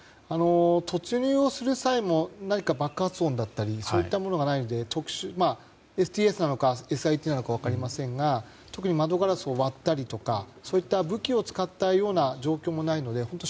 突入をする際も何か爆発音だったりそういったものがないのでＳＴＳなのかＳＩＴなのか分かりませんが特に窓ガラスを割ったりとかそういった武器を使ったような状況もないので本当